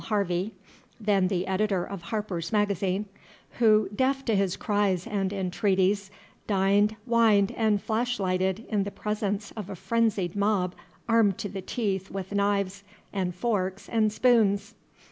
Harvey, then the editor of Harper's Magazine, who deaf to his cries and entreaties, dined, wined and flashlighted in the presence of a frenzied mob armed to the teeth with knives, and forks and spoons.